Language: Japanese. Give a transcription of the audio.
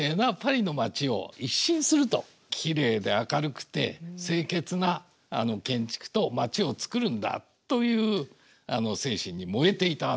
きれいで明るくて清潔な建築と町を作るんだという精神に燃えていたんですよね。